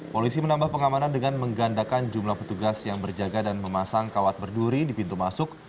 polisi menambah pengamanan dengan menggandakan jumlah petugas yang berjaga dan memasang kawat berduri di pintu masuk